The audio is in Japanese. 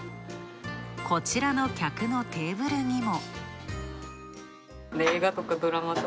こちらの客のテーブルにも。